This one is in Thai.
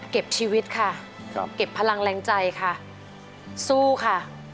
เก็บชีวิตค่ะครับเก็บพลังแรงใจค่ะสู้ค่ะ